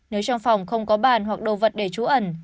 nếu trong phòng không có bàn hoặc đồ vật để trú ẩn